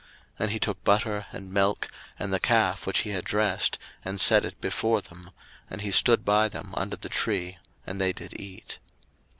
01:018:008 And he took butter, and milk, and the calf which he had dressed, and set it before them; and he stood by them under the tree, and they did eat.